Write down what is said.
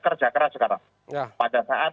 kerja keras sekarang pada saat